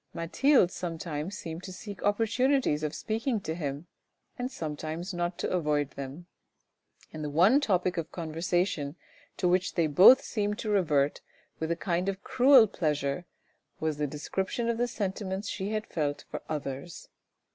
Mathilde sometimes seemed to seek opportunities of speaking to him and sometimes not to avoid them ; and the one topic of conversation to which they both seemed to revert with a kind of cruel pleasure, was the description of the sentiments she had felt for others.